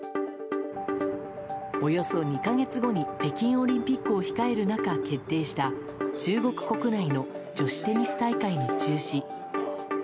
およそ２か月後に北京オリンピックを控える中決定した中国国内の女子テニス大会の中止。